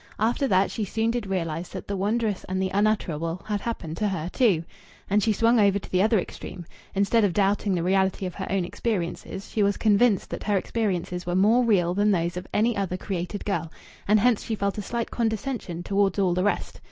After that she soon did realize that the wondrous and the unutterable had happened to her too. And she swung over to the other extreme: instead of doubting the reality of her own experiences, she was convinced that her experiences were more real than those of any other created girl, and hence she felt a slight condescension towards all the rest.